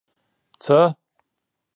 څه